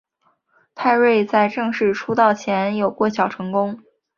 派瑞在正式出道前有过小成功。